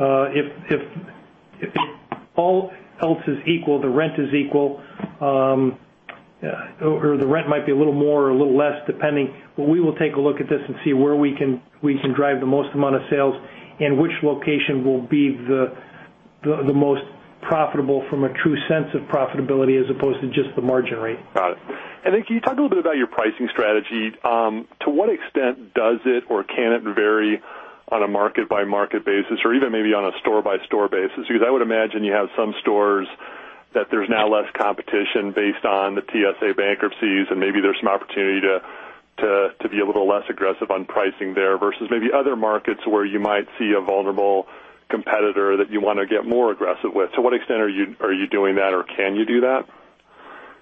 If all else is equal, the rent is equal, or the rent might be a little more or a little less, depending, but we will take a look at this and see where we can drive the most amount of sales and which location will be the most profitable from a true sense of profitability as opposed to just the margin rate. Got it. Can you talk a little bit about your pricing strategy? To what extent does it or can it vary on a market-by-market basis or even maybe on a store-by-store basis? Because I would imagine you have some stores that there's now less competition based on the TSA bankruptcies, and maybe there's some opportunity to be a little less aggressive on pricing there versus maybe other markets where you might see a vulnerable competitor that you want to get more aggressive with. To what extent are you doing that, or can you do that?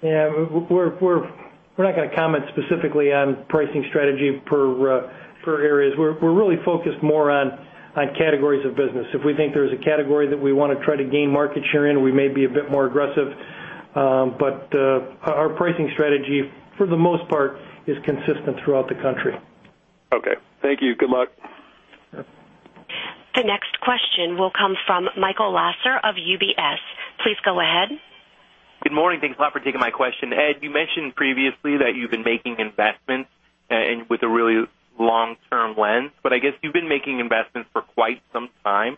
Yeah. We're not going to comment specifically on pricing strategy per areas. We're really focused more on categories of business. If we think there's a category that we want to try to gain market share in, we may be a bit more aggressive. Our pricing strategy, for the most part, is consistent throughout the country. Okay. Thank you. Good luck. Yeah. The next question will come from Michael Lasser of UBS. Please go ahead. Good morning. Thanks a lot for taking my question. Ed, you mentioned previously that you've been making investments with a really long-term lens, I guess you've been making investments for quite some time.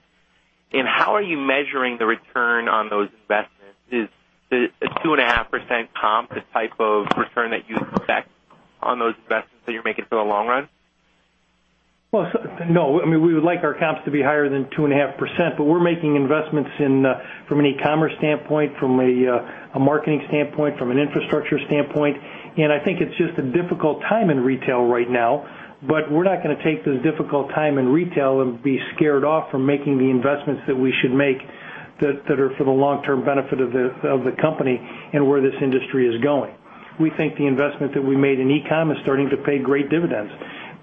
How are you measuring the return on those investments? Is the 2.5% comp the type of return that you expect on those investments that you're making for the long run? Well, no. We would like our comps to be higher than 2.5%. We're making investments from an e-comm standpoint, from a marketing standpoint, from an infrastructure standpoint. I think it's just a difficult time in retail right now. We're not going to take this difficult time in retail and be scared off from making the investments that we should make that are for the long-term benefit of the company and where this industry is going. We think the investment that we made in e-comm is starting to pay great dividends.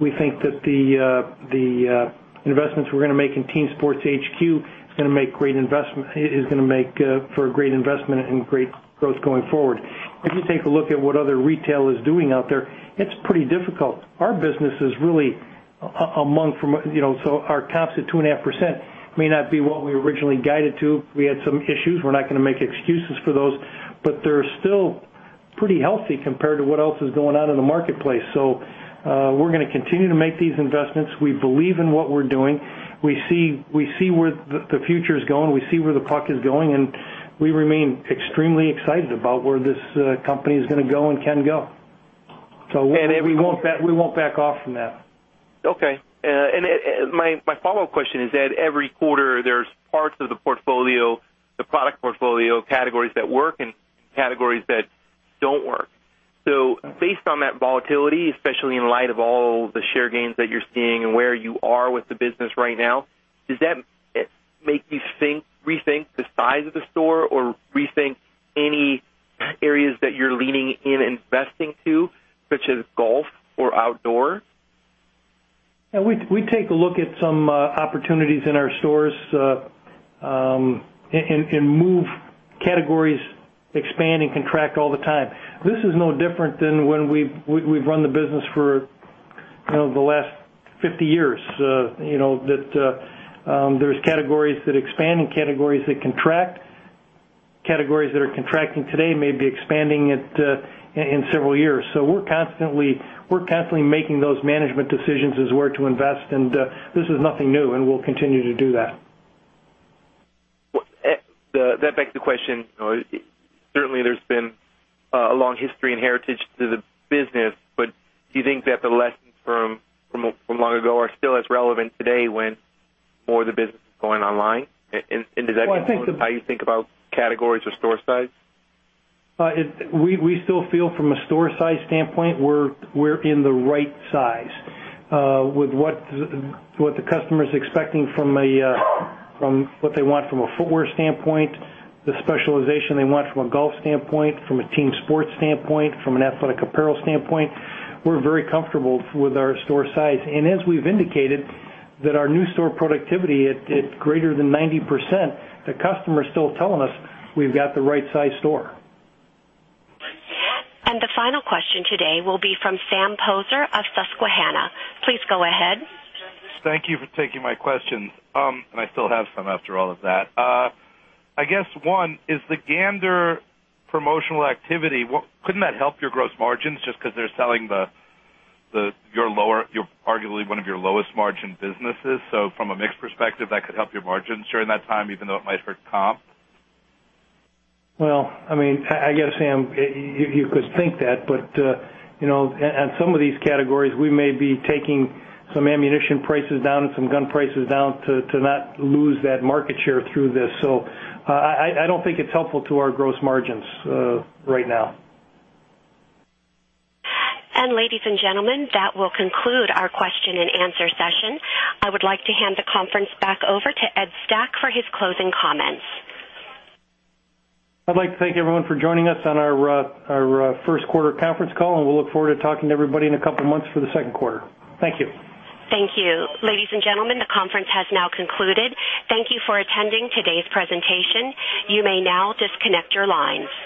We think that the investments we're going to make in Team Sports HQ is going to make for a great investment and great growth going forward. If you take a look at what other retail is doing out there, it's pretty difficult. Our comps at 2.5% may not be what we originally guided to. We had some issues. We're not going to make excuses for those, but they're still pretty healthy compared to what else is going on in the marketplace. We're going to continue to make these investments. We believe in what we're doing. We see where the future is going. We see where the puck is going, and we remain extremely excited about where this company is going to go and can go. We won't back off from that. Okay. My follow-up question is that every quarter, there's parts of the portfolio, the product portfolio, categories that work and categories that don't work. Based on that volatility, especially in light of all the share gains that you're seeing and where you are with the business right now, does that make you rethink the size of the store or rethink any areas that you're leaning in investing to, such as golf or outdoor? We take a look at some opportunities in our stores and move categories, expand, and contract all the time. This is no different than when we've run the business for the last 50 years. That there's categories that expand and categories that contract. Categories that are contracting today may be expanding in several years. We're constantly making those management decisions as where to invest, and this is nothing new, and we'll continue to do that. That begs the question, certainly there's been a long history and heritage to the business, but do you think that the lessons from long ago are still as relevant today when more of the business is going online? Does that influence how you think about categories or store size? We still feel from a store size standpoint, we're in the right size. With what the customer's expecting from what they want from a footwear standpoint, the specialization they want from a golf standpoint, from a team sports standpoint, from an athletic apparel standpoint, we're very comfortable with our store size. As we've indicated that our new store productivity at greater than 90%, the customer is still telling us we've got the right size store. The final question today will be from Sam Poser of Susquehanna. Please go ahead. Thank you for taking my questions. I still have some after all of that. I guess, one, is the Gander promotional activity, couldn't that help your gross margins just because they're selling your arguably one of your lowest margin businesses? From a mix perspective, that could help your margins during that time, even though it might hurt comp? Well, I guess, Sam, you could think that, on some of these categories, we may be taking some ammunition prices down and some gun prices down to not lose that market share through this. I don't think it's helpful to our gross margins right now. Ladies and gentlemen, that will conclude our question and answer session. I would like to hand the conference back over to Edward Stack for his closing comments. I'd like to thank everyone for joining us on our first quarter conference call, and we'll look forward to talking to everybody in a couple of months for the second quarter. Thank you. Thank you. Ladies and gentlemen, the conference has now concluded. Thank you for attending today's presentation. You may now disconnect your lines.